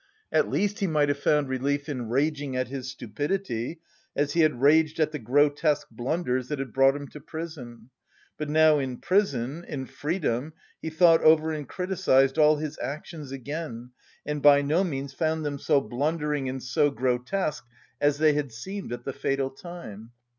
At least he might have found relief in raging at his stupidity, as he had raged at the grotesque blunders that had brought him to prison. But now in prison, in freedom, he thought over and criticised all his actions again and by no means found them so blundering and so grotesque as they had seemed at the fatal time.